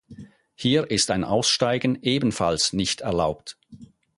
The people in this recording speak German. Hier ist ein Aussteigen ebenfalls nicht erlaubt.